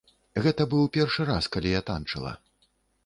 Гэта быў першы раз, калі я танчыла.